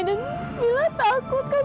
dan mila takut kak